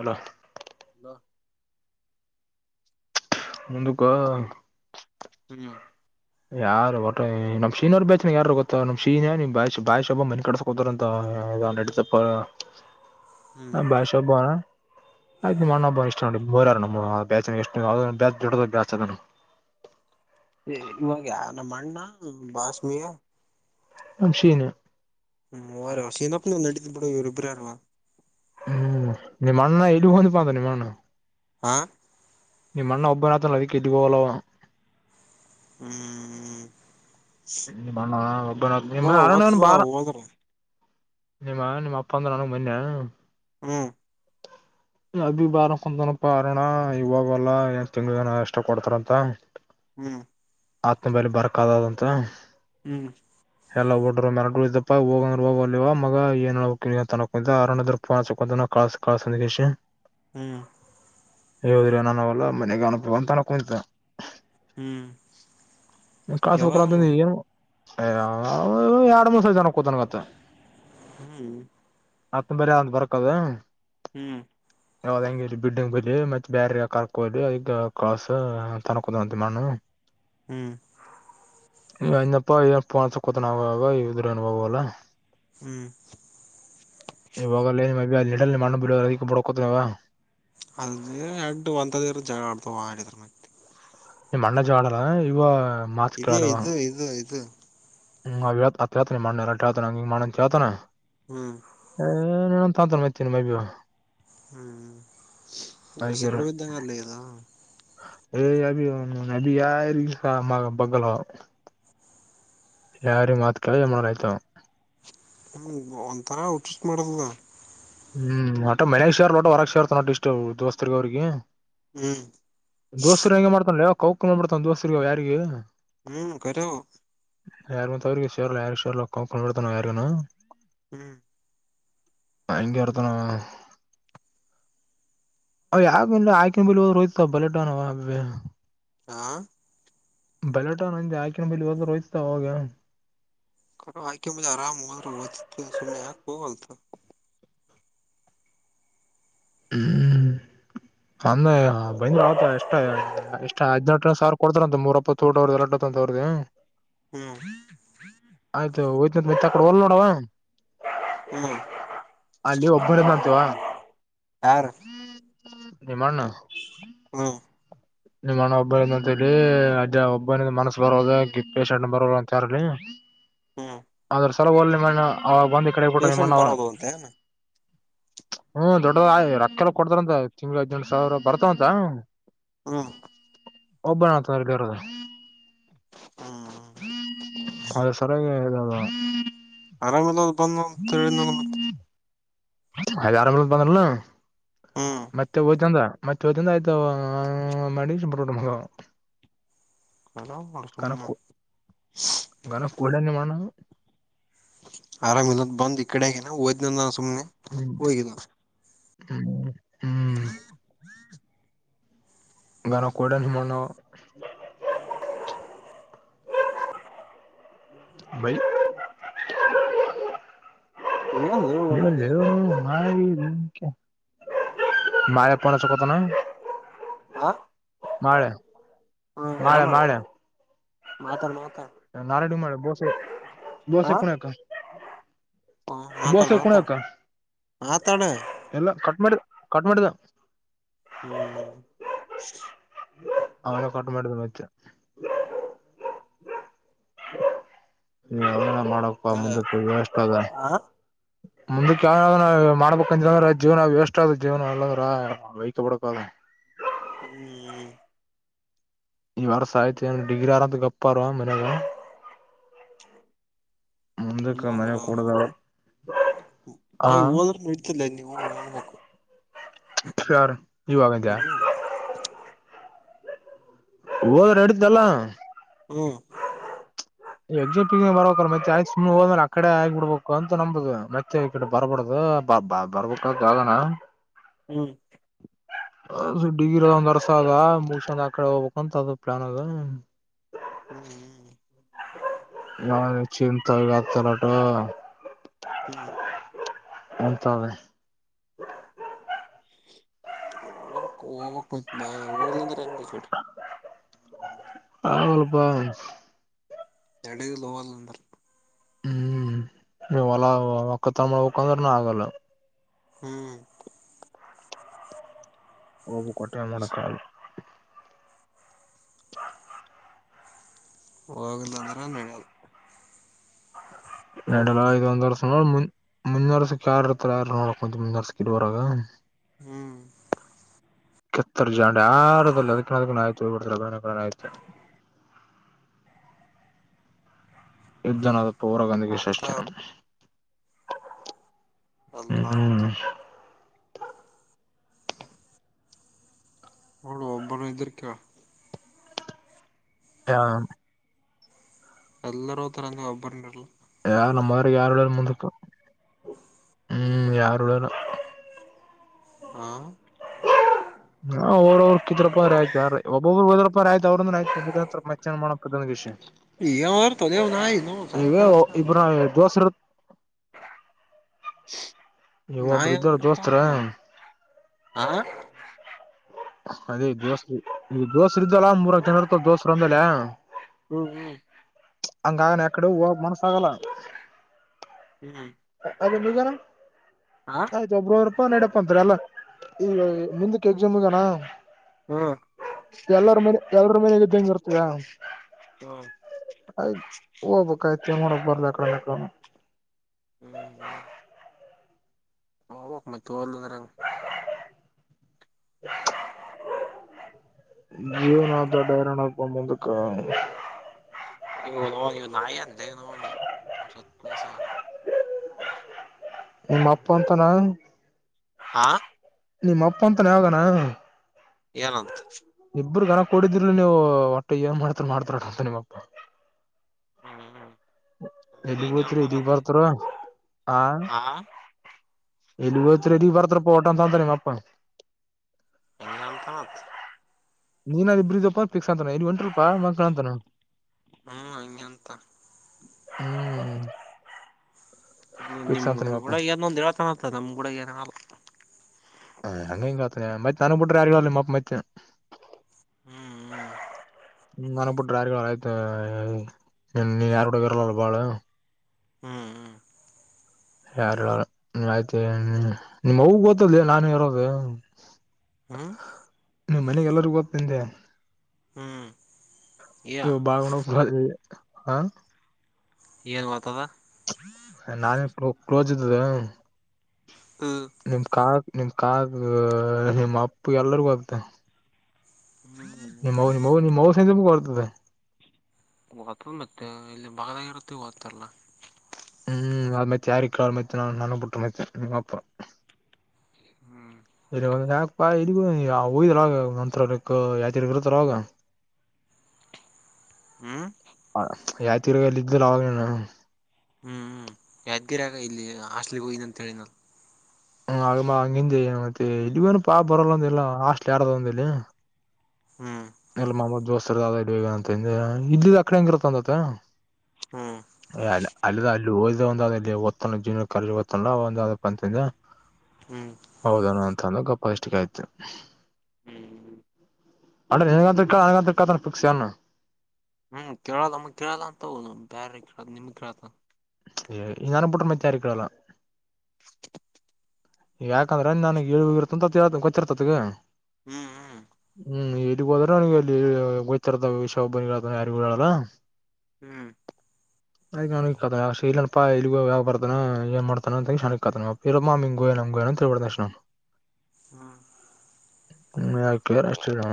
Hello ನಾ ಮುಂದುಕ ಸರಿಾ ಯಾರು ಒಟ್ಟೆ ನಮ್ ಶೀನವ್ರ ಬೇಚನ ಯಾರು ಗೊತ್ತ ನಮ್ ಶೀ್ ಬಾಯ್ ಬಾಯಿಷಬ ಮಿ ಕಡಸಕೋತಾರಂತ ಪ್ಪ ಹ್ಮ್ ಭಾಷಾಬಣ ಹಾಗೆ ಮಣ್ಣ ಹಬ್ಬ ಇಷ್ಟ ನೋಡಿ ಬೋರಾರ ನಮ್ಮ ಎಷ್ಟುೊಡ ಬದ [inaudible] ಇವಾಗ ಯಾರ ನಮ್ಮ ಅಣ್ಣ ಬಾಸ್ಮಿಯ ಮಕ್ಷೀನ್ [unintelligible] ಹ್ಮ ವ ವಷಿಪ್ಪಂದು ನಟ ಬಿರುಬ್ಬ್ರಾರವಾ [unintelligible] ಹ್ಮ್ ನಿಮಣ್ಣ ಎಡಗಂದು ಪಾಂತ [unintelligible] ನಿಮ್ಮಣ್ಣ ಹಾ ನಮಣ್ಣ ಒಬ್ಬನಾತ್ತ [unintelligible] ಹ್ಮ್ ಹ್ಮ್ ನಿಮ್ಮಣ್ಣ ಒಬ್ಬ ನಿ ಅರಣ ಓದ್ತದ ಬಾರ ಹೋದ್ರ ನಿಮ್ಮಣ್ಣ ನಿಮ್ಮಪ್ಪ ಅಂದ್ರ ನನಗೆ [unintelligible] ಹ್ಮ್ ಹ ಅದ ಬಾರ ಕುಂತನಪ್ಪ ಅರಣ ಇವಾಗಲ್ಲಾ ಏಷ್ಟ್ ತಿಂಗಳ್ಗಾನ ಎಷ್ಟು ಕೊಡ್ತಾರಂತ ಹ್ಮ್ ಆತನ ಬೆಲೆ ಬರಕಾದದಂತ ಹ್ಮ್ ಮರ ಇದಪ್ಪಾ ಹೋಗಂದ್ರ ಹೋಗವಲ್ಲಿವ ಮಗ ಏನಾರ [unintelligible] ಕಾಸು ಕಾಸಂದಿಕೇಶ ಹ್ಮ್ ದ್ರಿ ನಾನ ಅವೆಲ್ಲಾ ಮನೆಗೆ ಅನುಪ ಅಂತಾನ [unintelligible] ಹ್ಮ್ ಯಾವಾಗಂದ? ಅಯೊ ಎರಡ್ ಮೂರ್ ಸಾರಿ ಜನ ಕೂತನಗತ್ತ ಹ್ಮ್ ಹತ್ತಂಬರಿ ಅದ್ ಬರಕದು ಹ್ಮ್ ಯಾವದ ಹೆಂಗಿಲ್ಲಿ ಬಿಲ್ಡಿಂಗ್ ಬಿಳಿ ಮತ್ತೆ ಬ್ಯರೆ ಕರ್ಕೊಲಿ ಅಗ ಕಸ ತನಕುದಂಳಂತೆ ಮಣ್ಣು ಹ್ಮ್ [unintelligible] ಇವಾಗವಲ್ಲೇನು ಹ್ಮ್ [unintelligible] ಎಲ್ಲಿ ಮಾಡ್ಲಕ್ ಬಿಡೊ [unintelligible] ಕೊತದವಾ ಅದ ಎಳ್ಡ್ ಒಂತದ ಜಗಳ ಆಡ್ತದ ಆದ್ರ ಮತ್ತೆ ನಿಮ್ಮ್ ಅಣ್ಣ ಜಗಳಾಡಲ್ಲ ಇವ ಇದೇ ಇದು ಇದು ಇದು ಹ್ಮ [unintelligible] ನಿಮ್ಮಣ್ಣ ಏನಾರ್ ಕೇಳ್ತಾನ ಹಂಗಿ ಮಾಡಕ್ ಹೇಳ್ತಾನ ಹ್ಮ್ [unintelligible] [unintelligible] ಏಯ್ [unintelligible] ಯಾರು ಮಾತ ಕೇಳಮ್ಮನ ಆಯ್ತಾವ [unintelligible] ಹ್ಮ್, ಒಂಥರ ಹುಚ್, ಹುಚ್ ಮಾಡತದ. ಹ್ಮ್, ಒಟ ಮನೇಗ ಶೇರಲ ಒಟ ವರಗ ಶೇರ್ತನ ಒಟ ಇಷ್ಟ ದೋಸ್ತರ್ಗ ಅವ್ರಿಗಿ., ಹ್ಮ್ ದೋಸರು ಹೆಂಗೆ ಮಾಡ್ತನ್ ಲೇ ಕೌಕ ಬಂದ್ಬುಡ್ತಾನ್ ದೋಸ್ರ ಯಾರಿಗೆ ಹ್ಮ್ ಕರ್ಯವು ಯಾರಂತೊರಿಗೆ ಶೇರ್ಲ್ಲ ಯಾರು ಶೇರ್ಲ್ಲಕ್ಕ ಕೊಂಡಡ್ತಾನು ಯಾರಗನ? ಹ್ಮ್ ಹಂಗೆ [unintelligible] ಅ ಯಾಕ ಆಯ್ಕನ್ ಬಿಲ್ ಹೋದ ಹೋಯ್ತ ಬಲೆಟನ್ ಅ [unintelligible] ಆ ಬಲಟ ನಜ ಆಕಿನ ಬಲ್ ಹಾಗ ಹೋಯ್ತ ಅವಾಗ [unintelligible] ಆಯಕ ಮುಂದ್ ಆರಾಮು [unintelligible] ಯೋ ಬತ ಹ್ಮ್, ಅಂದ ಬಂದಿಲ್ಲ ಒಪ್ಪ. ಎಷ್ಟ್ ಹದಿನೆಂಟನೇ ಸಾವಿರ ಕೊಡ್ತಾರಂತ ಮೂರಪ್ಪತ್ತು ಊಟ ಎಲ್ಲ ಬರದ್ಯಾ [inaudible] ಹ್ಮ್ ಆಯ್ತು ಒಯ್ತಂತ ಮತ್ತ ಆಕಡೆ ಹೋಗ್ಲಿಲ್ಲ ನೋಡವಾ. ಹ್ಮ್ ಅಲ್ಲಿ ಒಬ್ಬನೆ ಇದ್ನಂತವಾ,, ಯಾರ್? ನಿಮ್ಮ್ ಅಣ್ಣ ಹ್ಮ್ ನಿಮ್ಮ್ ಅಣ್ಣ ಒಬ್ಬನೆ ಇದನಂತ ಇಲ್ಲಿ. ಅದೇ ಒಬ್ಬನಿಗೆ ಮನಸ್ ಬರೋದ ಇಲ್ಲಿ ಪೇಶಂಟ್ ಬರೋದಿಲ್ಲ ಅಂತ ಯಾರಲ್ಲಿ. ಹ್ಮ್, ಈ ಸಲ ಹೋಗ್ಲಿಲ್ಲ ನಿಮ್ಮ ಅಣ್ಣ ಅವಾಗ ಬಂದು ಈಕಡೆ ಆಗಿಬಿಟ್ಟ ನಿಮ್ಮ ಪೇಶಂಟ್ ಅಣ್ಣ. ಬರೋದು ಅಂತ ಏನ ಹ್ಮ್, ದೊಡ್ಡದ ಆದ ರೊಕ್ಕೆಲ್ಲ ಕೊಡದಾರಂತ ತಿಂಗಳ ಹದಿನೆಂಟಸಾವಿರ ಬರ್ತಾವಂತ. ಹ್ಮ್, - ಒಬ್ಬನಾತನ ಬರಗಅದ ಹ್ಮ್ ಸರಿಯಾಗಿ., ಹ್ಮ [inaudible] ಆರಾಮ್ಇಲ್ಲ ಅಂತ ಬಂದ್ ಹೇಳ ದನಲ ಮತ್ತ. ಅಲಿಆರಮ್ಇಲ್ಂತ ಬಂದನಲ, ಹ್ಮ್ ಮತ್ತೆ ಓತಿನಂದ, ಮತ್ತೆ ಓದಂದ ಆಯ್ತ ಮಾಡ ಶು ಬ ಮ [unintelligible] ಆರಾಮ್ ಮಾಡ ಗನ, ಸುಮ್ನೆ ಗನ ಕೋಡ ಹಾನಿ ನಿಮ್ ಅಣ್ಣ. ಆರಾಮ ಇಲ್ಲ ಬಂದ್ ಈ ಕಡೆಹಾಗಿನಿ ಹೋತನದ್ನ ಸುಮ್ನೆ ಹೋಗಿದ್ದ., ಹ್ಮ [inaudible] [unintelligible] ಗನ ಕೊಡಾನ್ ನಿಮ್ ಅಣ್ಣ ಹವಾ. ಬೈ [inaudible] ನೀ [unintelligible] ಪೋನ ಹಚಕುತನಾ,, ಮಾಡಳೆ [unintelligible] ಮಾಡಳೆ ಮಾಡಳೆ ಮಾತಡ [inaudible] ಮಾ ನಾರೇಡಿ ಮಾಡೋದೇನು, ಬಸೆ ಬೋಸೈ ಕುಣಕ. [unintelligible] ಮಾತಾಡ ಬೋಸೈ ಮಾತಾಡ ಕುಣಕ ಮಾತಾಡ ಇಲ್ಲ ಕಟ್ ಮಾಡ್, ಕಟ್ ಮಾಡಿದ. ಹ್ಮ [inaudible] ಕಟ ಮಾಡದ ಮಚ್ಚ [unintelligible] ಹ್ಮ [unintelligible] ಯಾ ನೋಡಮ್ಮುಂದಕ್ಕೆ ಎಷ್ಟ ಅದ ಆ ಮುಂದಕ್ಕೆ ಯಾವ ಮಾಡಬೇಕಂತಂದ್ರ., ಜೀವನ ವೇಸ್ಟ್ ಆದ ಜೀವನ ಇಲ್ಲಂದ್ರಾ ವೈಕ ಪಡಕ್ ಆದ. ಹ್ಮ್ [inaudible] ಈ ವರ್ಸ ಆಯ್ತ ಏನ್ ಡಿಗ್ರಿ ಆರಂತ ಗಪ್ಪಾರ ಮನೆಗಾ. ಮುಂದಕ್ಕಮನೆಗಕೂಡದೆಆದ. ಅಯ ಹೋದ್ರನು ಇಡ್ತಲ್ಲ ನೀವು ನೋಡ್ಬೇಕು ಯಾರ ಯುವಾಗಂತ ಹೋದ್ರ ಎಡ್ದಲ್ಲ ಹ್ಮ್ ಎಜೆ ಇಟಮ್ಯಾಗ ಬರ್ಬೇಕ ಮತ್ತೆ ಯಾಕಸುಮನೆ ಹೋದ್ಮೇಲೆ, ಅಕಡೆ ಆಗ್ ಬಿಡ್ಬೇಕು ಅಂತ ನಂಬುದು ಮತ್ತೆ ಈ ಕಡೆ ಬರಬಾಡುದು. ಬ ಬರ್ಬಟ್ಟಾಗಾನ [unintelligible] ಹ್ಮ್, [inaudible] ಆ ಡಿಗ್ರಿಒಂದ್ ವರ್ಸ ಅದ ಮುಗಸ್ಗಂಗಡ ಆ ಕಡೆನೆ ಹೋಗ್ಬೇಕ ಅಂತ ಪ್ಲಾನ್ ಅದ. ಹ್ಮ್ ನ ಚ [inaudible] ತಗತರಾಟ ಹ್ಮ್ [unintelligible] ಹಂತೇ [unintelligible] [inaudible] [unintelligible] ಅಲ್ಲಪಾ [unintelligible] ಎಡದು ಲವಲ್ ಅಂದರು ಹ್ಮ್ ನೀ ಹೊಲ ಒಕ್ಕತರ ಮಾಡಬೇಕಂದ್ರನು ಆಗಲ್ಲ ಹ್ಮ್ ೋಗ ಕೊಟ್ಟ ಮಾಡಡ ಚ ಹೋಗಿಲ್ಲ ಅಂದ್ರ ನಡೆಯದು ಎಡಲ ಇಐದು ಒಂದ ವರ್ಷ ಮು ಮುಂದರ್ಸಕ್ ಯಾರ ಇರ್ತಾರ ಯಾರು ನೋಡಕ್ ಮುಂಂತ ಮುಂದರ್ಸಕ್ ಇಡ್ುವರಾಗ ಹ್ಮ್ ಕೆತ್ತರ ಜಾಂಡೆ ಆರ ಅದಕ್ಕ ಅದ ಆಯ್ತು ಹಡ್ ಅ ಆಯ್ತು [inaudible] ಯುದ್ಧನಾದ ಪೌರ ಗಾಂಧಿಗೆ ಸಷ್ಟ ಅದಲ್ಲ ರತ ಹೌಳ ಒಬ್ಬರ ಇ್ದರಿಕ್ಕಾ ಹಾ ಎಲ್ಲರ ತರಂದ ಒಬ್ಬರಲ್ಲ ಯಾರ ನಮ್ಮ್ರೆ ಯಾರುಳ್ಳಲ್ಲ ಮುಂದಿಪ ಹ್ಮ್ ಯಾರುಳ್ಳಲ್ಲ ಹಾ ಹಾ ಅವರವರು ಕಿದ್ರಪ್ಪ ಆಯತಾರ ಒಬ್ಬೊಬ್ರು ಹೋದ ರ ದ ಅವ್ರತ್ರ ಮೆ ಮ ಮಾಡೋ ಪ್ರತದನ ಕಷಿ ಏನಾರ ತೊಲೆವ ನಾಯಿ ನೋ [unintelligible] ಇ ಸತ್ ಇಬ್ಬರ ನಾ ದೋಸರ ಈಗ ನ ಒಬ್ರು ಇದ್ದಾರ ಅ ದೋಸ್ತರ ಕತ್ ನ ಆ ಅದೇ ದೋಸ್ರ ಈ ದೋಸ್ರ ಇದ್ದಲ್ಲಾ ಮೂರಕ್ ಜನ ಇರ್ತದ ದೋಸರು ಅಂದಲ್ಲ ಹ್ಮ್ ಹ್ಮ್ ಹಂಗನೆ ಎಕಡೆ ಮನಸಾಗಲ್ಲ ಹ್ಮ್ ಅದ ನಿಗಾನ ಹಾ ಆಯ್ತು ಒಬ್ರ ಒಂದೂಪ ನೆಡಪ ಅಂತ್ರ ಅಲ್ಲ ಈಗ ಮುಂದಕ್ಕೆ ಎಕ್ಜಮಗನಾ ಹ್ಮ್ ಎಲ್ಲರ ಮನೆ ಎಲ್ರ ಮನೆಾಗ್ದಂಗೆ ಇರ್ತವಯ ಹ್ಮ್ ಆಯ್ತ ಹೋಗ್ಬೇಕಯ್ತ ನೋಡಕ್ ಬರ್ಬೇಕ ಪ್ರಯೋಗ ಹ್ಮ್ ಮ ತರ [unintelligible] ಜೀವನ ದಡ್ಡಾರಾಣಕ್ಂಬಂದಕ್ಕ ನೀವು ನೋ ನೀವು ನಾಯಿ ಅಂದ ನೋ ನಿಮ್ಮ ಅಪ್ಪ ಅಂತಾನ ಹಾ ನಿಮ್ಮ ಅಪ್ಪ ಅಂತಾನ ಯಗಣ ಏನಂತ ಇಬ್ರು ಗನ ಕೊಡಿದ್ರ ನೀವು ಒಟ್ಟ ಏನ್ ಮಾಡ್ತಾರ ಮಾಡ್ತಾರಟ ಅಂತ ನಿಮ್ಮಪ್ಪ ಹ್ಮ್ ಎಲ್ಲಿಗ್ ಹಂಗೆ ಹೋಯತ್ರಿ ಅಂತ ಇದಗ್ ಮತ್ ಬರ್ತ್ಾರ ಆ ಹಾ ಎಲುವ ಇತ್ತ ರ ಬರತ್ರ ಪೋಟಂತಂತಾನ ಮಾಪ್ಪ ಎ ನಲ್ತನತ್ [inaudible] ನೀನಲ್ಲಿ ಇಬ್ಬ್ರಿದಪ್ಪ ಫಿಕ್ಸ್ ಅಂತಾನ ಇಲ್ಲಿ ಒಂಟ್ರಪಾ ಮಕಳಂತಾನ ಹ್ಮ್ ಹಂಗೆ ಅಂತ ಹ್ಮ್ ಫಿಕ್ಸ್ ಅಂತ ನಿಮ್ಮಪ್ಪ ನಿಮ್ಳ ಏ ಒಂದ್ಏಳ್ತನತ್ತ ನಮ್ ಕೂಡ ಏನ ಹ್ ಹಂಗಂಗತ ಮ ನಾನು ಬಿಟ್ಟ್ರ ಯಾರ ಮಾ ಅಪ ಮೈತ್ತೆ ಹ್ಮ್ ಹ್ಮ್ ಹ್ಮ ನನಗ್ ಬಿಿಟ್ರೆ ಯಾರಿ ಆಯ್ತ ನೀನ್ ಯಾರ ಕೂಡ ಇರಲ್ಲಲ್ಲ ಬಾಳ ಹ್ಮ್ ಯಾರ ನೀ ಆಯ್ತ ನಿಮ್ಮ್ ಮ ಗೊತ್ತದ್ಲಿ ನಾನು ಇರೋದು ಹ್ಮ್ ಹ್ಮ್ ನಿ್ ಮನೆಗೆ ಎಲ್ಲರಿಗ ಗೋಗ್ತಿಂದೆ ಹ್ಮ್ ಯ ಇ ಬಾಗಣ ಹಾ ಏನು ಬತದ ನಾನೇ ಕ್ಲೋಸ್ ಇದ್ದದ ಹ್ಮ್ ನಿಮ ಕಾ ನಿಮ ಕಾಗ ನಿಮ್ಮ ಅಪ್ಪು ಎಲ್ಲರಿಗೂ ಆಗ್ತ ಹ್ಮ್ ನಿಮ್ಮ ನಿವು ನಿಮ್ಮ್ ಮವ ಸತ ಬ ಬರ್ತದೆ ಹತಲ್ ಮತ್ತೆ ಇಲ್ಲಿ ಬಾಗದಾಗರುತ್ತ ಗತ್ತಲ್ಲ ಹ್ಮ್ ಅದ ಮತಿ ಯಾರ ಕ ಅ ಮ ನ ನನ್ನ ಬಿುಟ್ಟ ಮ ನಿಪರ ಹ್ಮ್ ಇ ಒ ಯಾಕಪ್ಪ ಇಲ್ಲಿಗ ಹಯ್ದ್ರಾಗ ಮಂತ್ರಕ್ಕ ಯಾ ಇರ್ತ್ತಾರ ಅವಾಗ ಹ್ಮ್ ಹ ಯಾತಿರ ಲಿದ್ದಲ್ಲ ಅವಾಗ ಹ್ಮ್ ಹ್ಮ್ ಯಾದ್ಗಿರ್ಯಗ ಇಲ್ಲಿ ಹಾಸ್ಲಿಗ್ ಹೋಗನ ಅಂತ ಹೇಳಿನಲ್ ಹ ಆಮ್ಮ ಹಂಗಂಯ ಮತ್ತೆ ಇಲ್ವೇನು ಪಾ ಬರಲ್ಲಂದ ಎಲ್ಲಾ ಹಾಸ್ಟ್ಲ್ ಯಾರದ ಒಂದಲ್ಲಿ ಹ್ಮ್ ಎಲ್ಲ ಮಹಮ್ಮದ್ ಜೋಸ್ತರ್ ಇಡಂತ ಇಿದ್ದ ಅ ಕಡೆ ಹೆಂಗಿರುತ್ತ ಅಂದತ್ತ ಹ ಹ್ಮ್ ಅ ಅಲ್ಲ ಅ ಇಲ್ಲಿ ಹದ್ದ ಒಂದಲ್ಲಿ ಒತ್ತ ಜೀವನ ಕ ತ್ತಲ್ಲ ಒಂದ ಪ ಹ್ಮ್ ಹೌದಣ ಅಂತ ಅಂದ್ರ ಗಪ್ಪ ಅಷ್ಟಿಕ ಆಯ್ತು ಹ್ಮ್ ಅ್ರ ನೆನಗಂತ ನನಂತ ಫಿಕ್ಸ್ ಹ್ಮ್ ಕೇಳ ನಮಗ್ ಕೇಳಲ್ಲ ಅಂತ ಹ ಬೇಾರೆ ಕೇಳ ನಿಮಗ್ ಕೇಳತ ಈ ನಾನ ಪಟ ಮ ತಯಾರಿಕಲ್ಲ [inaudible] ಯಾಕಂದ್ರೆ ನನ್ಗ್ ಇಳುವ ಇರ್ತ ಅಂತ ಕೊಚ್ಚಿರ್ತತ್ಗ ಹ್ಮ್ ಹ್ಮ್ ಹೋದ್ರಲ್ಲಿ ಗಚ್ಚಾರದ ವಿಬ್ಬಿ ಯಾರಿಗಡಲ್ಲ ಹ್ಮ್ ಅ ನ ಇಲ್ಲನಪ್ಪಾ ಇಲ್ಲಿಗ ಯ ಬರ್ತಾನ ಏನ್ ಮಾಡ್ತಾನ ಅತಮ್ಮಿ ಗೋ ಗೋ ಡ್ತಾ ಹ್ಮ ಹ್ಮ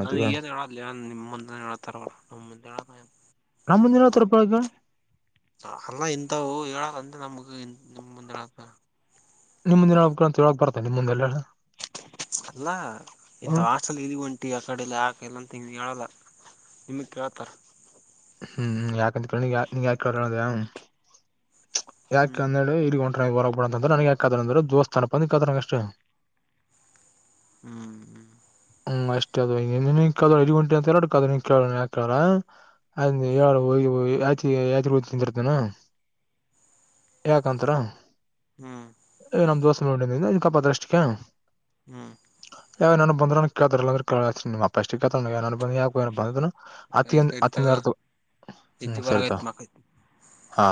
ಅ ಈಗಏನ್ ಹೇಳದ ನಿಮ್ ಮುಂದೆ ಹೇಳಳ್ತಾರವರ ನಮ ಮುಂದೆ ಹೇಳ ನಮ್ಮ ಮುಂದಿನ ಹತ್ರಪ್ಪ ಅಲ್ಲ ಇಂತವು ಹೇಳಲ್ಲಂದ ನಮ್ಗ್ ಹ ಮುಂದಳ ನಿಮ ಮುಂದೆನ ಅಂತ ಹೇಳಕ್ ಬತೆ ನಿಮ ಮುಂದೆಲ್ಲ ಅಲ್ಲಾ ಇಂತ ಹಾಸ್ಟೆಲ್ ಇದೀ ಒಂಟಿ ಆ ಕಡೆಲಿ ಆಕ ಎಲ್ಲಂತ ಗ ಹೇಳಲ್ಲ ನಿಮಗ್ ಕೇಳ್ತಾರ ಹ್ಮ್ ಯಾಕಂತಾ ನೀ ಯಾಕ ಕೇಳೋ ಅದ ಯಾಕೆ ಹ್ಮ್ ಅಂದೇಳಿ ಇಗಂಟ ಡ್ರೈವರಬಡ ಅಂದ್ರೆ ನಂಗೆ ಯಾಕದ ಅಂದ್ರೆ ದೋಸ್ಥಾನ ಬಂದದ ನನಗೆ ಅಷ್ಟೇ ಹ್ಮ್ ಹ್ಮ್ ಹ್ಮ್ ಅಷ್ಟೇ ಅದು ಕ ಐದು ಗಂಟೆ ಅಂತೇಳ ಯ ಅಳು ಯತಿ ಯಾತ್ ಓದ ತಿಂತಿರ್ತಾನ ಯಾಕಂತರ ಹ್ಮ್ ಏ ನಮ್ ದೋಸೆ ನ ಕಪಾತ್ರ ಅಷ್ಟಕ್ಕೆ ಹ್ಮ್ ಯಾವ ನನ್ ಬಂದ್ರ ಕೇಳತಾರಲ್ಲ ಅ್ರ ಕೇಳ ನಿಮ್ಮಪ್ಪ ಎಷ್ಟೇಳ್ತ ಬ ಯಾಕುಏ ಬಂದ ಸರಿ ಅತಿಯ ಸರಿ ತಗ ಅತ ಹ್ಮ್ ನಿದ್ದಿ ಸರಿದಾ ಬರಗೈತ್ ಮಕ್ಕಳ ಹಾ